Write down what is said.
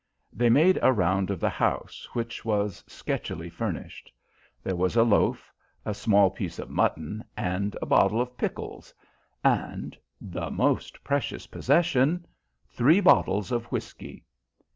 They made a round of the house, which was sketchily furnished. There was a loaf, a small piece of mutton, and a bottle of pickles, and the most precious possession three bottles of whisky.